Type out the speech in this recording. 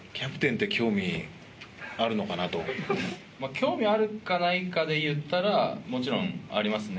興味あるかないかで言ったらもちろんありますね。